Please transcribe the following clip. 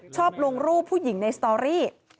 ชอบลงรูปผู้หญิงในสตอรี่